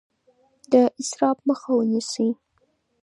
د اسراف مخه ونیسئ.